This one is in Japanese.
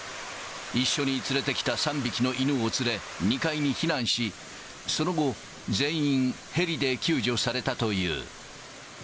一緒に連れてきた３匹の犬を連れ、２階に避難し、その後、全員、ヘリで救助されたという。